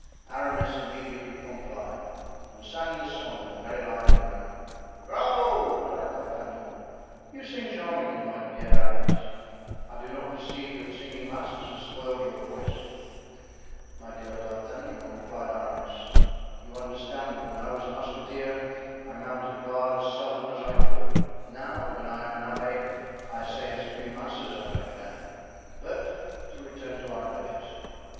Aramis immediately complied, and sang the song in a very lively manner. "Bravo!" cried D'Artagnan, "you sing charmingly, dear Aramis. I do not perceive that singing masses has spoiled your voice." "My dear D'Artagnan," replied Aramis, "you understand, when I was a musketeer I mounted guard as seldom as I could; now when I am an abbé I say as few masses as I can. But to return to our duchess."